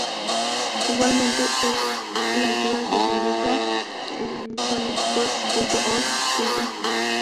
Igualmente, esa es la altura que se indica en summitpost.org.